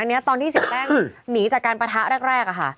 อันนี้ตอนที่เสียแป้งหนีจากการปะทะแรกอะค่ะ